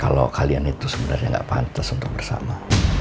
kalo kalian itu sebenernya gak pantas untuk bersama